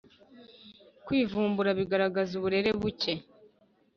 Kwivumbura bigaragaza uburere bucye